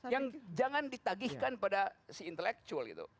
yang jangan ditagihkan pada si intelektual gitu